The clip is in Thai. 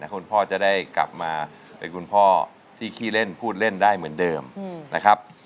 คุณพ่อจะได้กลับมาเป็นคุณพ่อที่ขี้เล่นพูดเล่นได้เหมือนเดิมนะครับ